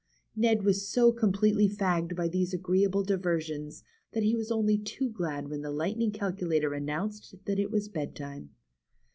Ned was so completely fagged by these agreeable diversions, that he was only too glad when the Light ning Calculator announced that it was bedtime.